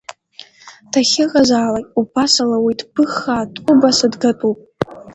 Дахьыҟазаалак убасала уи дԥыххаа-дҟәыбаса дгатәуп.